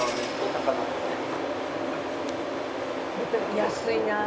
「安いな」